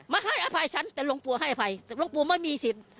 ไม่ให้อภัยฉันแต่หลวงปู่ให้อภัย